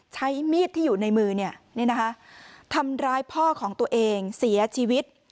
ใช้มีดที่อยู่ในมือทำร้ายพ่อของตัวเองเสียชีวิต